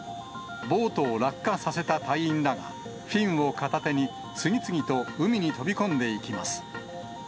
ボートを落下させた隊員らが、フィンを片手に、次々と海に飛び込んでいきます。